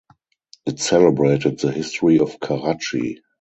It celebrated the history of Karachi.